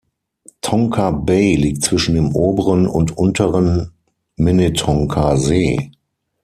Tonka Bay liegt zwischen dem oberen und unteren Minnetonka-See.